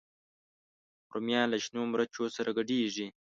رومیان له شنو مرچو سره ګډېږي